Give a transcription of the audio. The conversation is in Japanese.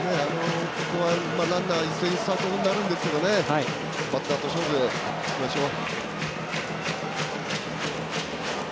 ここはランナー一斉にスタートになるんですがバッターと勝負でいきましょう。